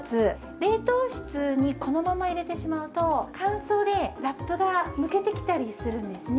冷凍室にこのまま入れてしまうと乾燥でラップがむけてきたりするんですね。